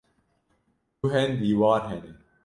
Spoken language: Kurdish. Guhên dîwar hene.